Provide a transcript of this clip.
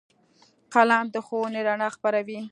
قلم د ښوونې رڼا خپروي